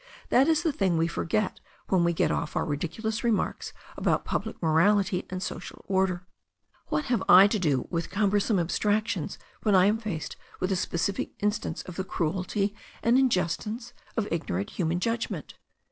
That is the thing we forget when we get off our ridiculous remarks about public morality and social order. What have I to do with cumbersome abstractions when I am faced with a specific instance of the cruelty and injustice of ignorant human judgment?